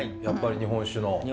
やっぱり日本酒の。